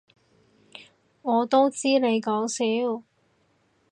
我都知你講笑